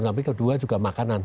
tapi kedua juga makanan